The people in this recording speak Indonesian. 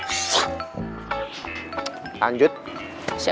aseh tangani ipuk kuning aneh